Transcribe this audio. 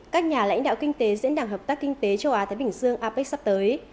các nhà lãnh đạo kinh tế diễn đàn hợp tác kinh tế châu á thái bình dương apec sắp tới